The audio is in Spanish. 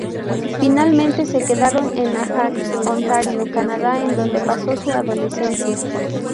Finalmente se quedaron en Ajax, Ontario, Canadá, en donde pasó su adolescencia.